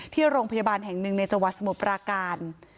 ที่โรงพยาบาลแห่งหนึ่งในจังหวัดสมุทรปราการ